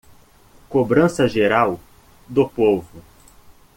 Cobrança geral do povo